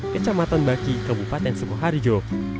kecamatan baki kebupaten sukoharjo